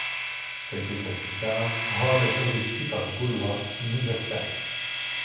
Quelques jours plus tard, Rome est investie par les Gaulois et mise à sac.